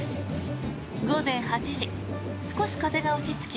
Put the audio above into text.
午前８時、少し風が落ち着き